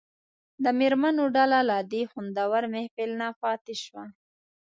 د مېرمنو ډله له دې خوندور محفل نه پاتې شوه.